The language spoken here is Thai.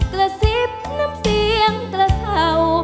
กระซิบน้ำเสียงกระเศร้า